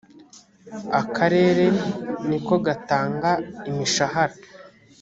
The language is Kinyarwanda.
akarere nikogatanga imishahara.